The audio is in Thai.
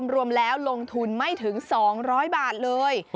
รวมแล้วลงทุนไม่ถึง๒๐๐บาทเลย